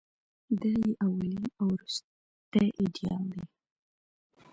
دای یې اولین او وروستۍ ایډیال دی.